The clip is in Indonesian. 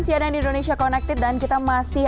cnn indonesia connected dan kita masih